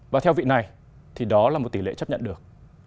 và theo vị này thì đó là một tỷ lệ chấp nhận được